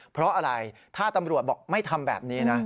เพราะอะไรถ้าตำรวจบอกไม่ทำแบบนี้นะ